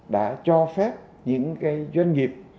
đã cho phép những cái doanh nghiệp